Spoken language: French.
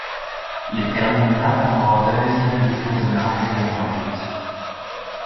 Il termine notamment deuxième du Tour de Namur au mois d'août.